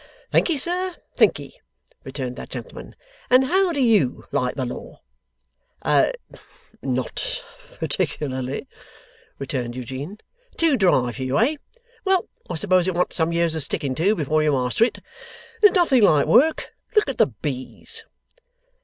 'Thankee, sir, thankee,' returned that gentleman. 'And how do YOU like the law?' 'A not particularly,' returned Eugene. 'Too dry for you, eh? Well, I suppose it wants some years of sticking to, before you master it. But there's nothing like work. Look at the bees.